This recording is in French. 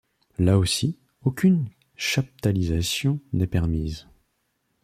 Là-aussi aucune chaptalisation n'est permise.